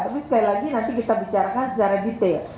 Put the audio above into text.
tapi sekali lagi nanti kita bicarakan secara detail